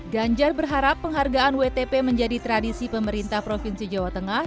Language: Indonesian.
ganjar berharap penghargaan wtp menjadi tradisi pemerintah provinsi jawa tengah